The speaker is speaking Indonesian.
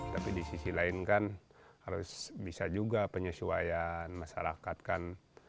tapi di sisi lain kan harus bisa juga penyesuaian masyarakat kan